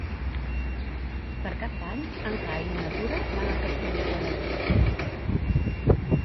Per Cap d'Any en Cai i na Tura van al Castell de Guadalest.